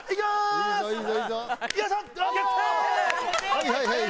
はいはいはい！